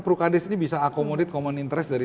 prukades ini bisa akomodit common interest dari